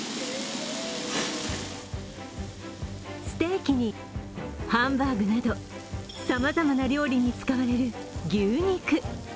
ステーキにハンバーグなどさまざまな料理に使われる牛肉。